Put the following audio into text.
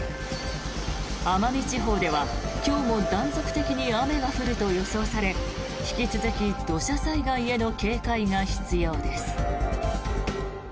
奄美地方では今日も断続的に雨が降ると予想され引き続き土砂災害への警戒が必要です。